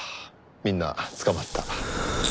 みんな捕まった。